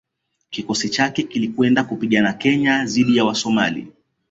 Kikosi chake kilikwenda kupigania Kenya dhidi ya Wasomali